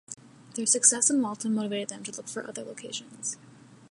Their success in Waltham motivated them to look for other locations.